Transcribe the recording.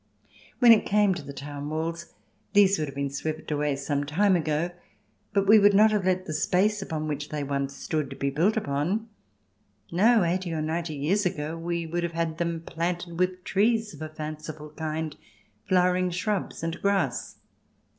When it came to the town walls, these would have been swept away some time ago. But we would not have let the space upon which they once stood be built upon. No ; eighty or ninety years ago we would have had them planted with trees of a fanci ful kind, flowering shrubs and grass.